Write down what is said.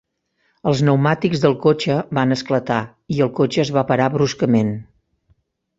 Els pneumàtics del cotxe van esclatar i el cotxe es va parar bruscament.